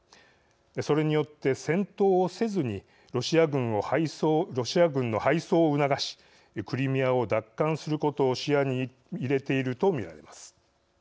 それによって戦闘をせずにロシア軍の敗走を促しクリミアを奪還することを視野に入れていると見られます。